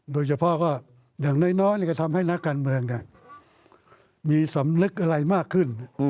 โดยเฉพาะก็อย่างน้อยก็ทำให้นักการเมืองมีสำนึกอะไรมากขึ้น